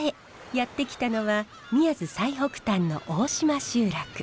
やって来たのは宮津最北端の大島集落。